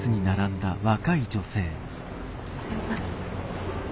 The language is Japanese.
すいません。